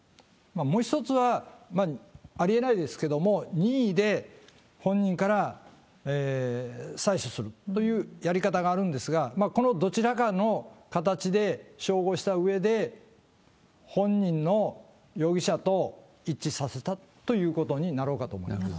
もう一つは、ありえないですけれども、任意で本人から採取するというやり方があるんですが、このどちらかの形で照合したうえで、本人の容疑者と一致させたということになろうかと思います。